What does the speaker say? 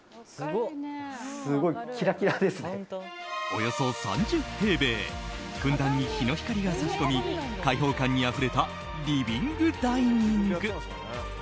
およそ３０平米ふんだんに日の光が差し込み開放感にあふれたリビングダイニング。